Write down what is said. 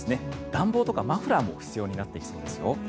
暖房とかマフラーも必要になってきそうですよ。